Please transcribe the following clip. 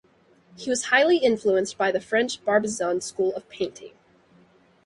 He was highly influenced by the French Barbizon school of painting.